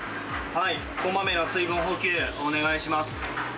こまめな水分補給、お願いします。